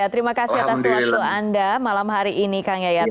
terima kasih atas waktu anda malam hari ini kang yayat